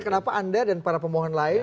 kenapa anda dan para pemohon lain